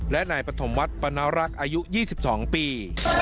และนายปฐมวัฒน์ปณรักษ์อายุ๒๒ปี